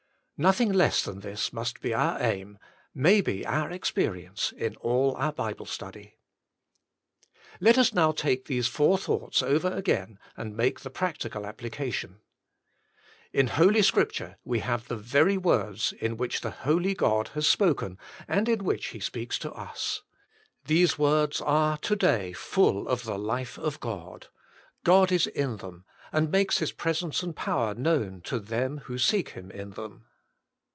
Nothing less than this must be our aim, may be our experience, in all our Bible study. Let us now take these four thoughts over again and make the practical application. In Holy Scripture we have the very words in which the Holy God has spoken and in which He speaks to us. These words are, to day, full of the life of God. God is in them, and makes His presence and power known to them who seek Him in them.